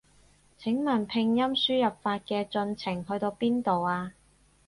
請問拼音輸入法嘅進程去到邊度啊？